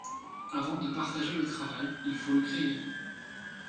Avant de partager le travail, il faut le créer.